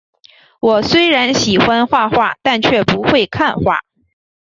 我虽然喜欢画画，但却不会看画